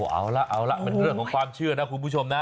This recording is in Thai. อ๋อเอาละมันเรื่องของความเชื่อนะคุณผู้ชมนะ